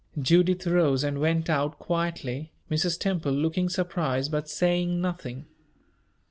Judith rose and went out quietly, Mrs. Temple looking surprised, but saying nothing.